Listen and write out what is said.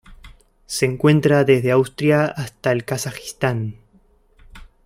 Se encuentra desde Austria hasta el Kazajistán.